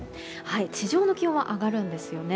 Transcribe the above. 地上の気温は上がるんですよね。